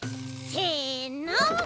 せの！